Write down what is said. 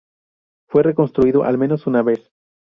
Fue reconstruido al menos una vez.